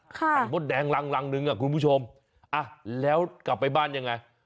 ไข่มดแดงรังรังนึงอ่ะคุณผู้ชมอ่ะแล้วกลับไปบ้านยังไง